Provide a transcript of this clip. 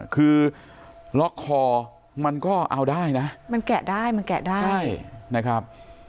คือล็อกคอมันก็เอาได้นะมันแกะได้มันแกะได้ใช่นะครับ